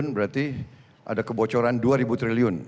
berarti ada kebocoran dua ribu triliun